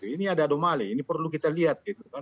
ini ada anomali ini perlu kita lihat